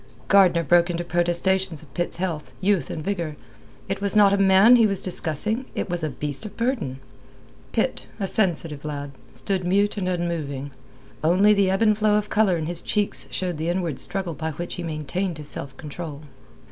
Gardner broke into protestations of Pitt's health, youth, and vigour. It was not a man he was discussing; it was a beast of burden. Pitt, a sensitive lad, stood mute and unmoving. Only the ebb and flow of colour in his cheeks showed the inward struggle by which he maintained his self control.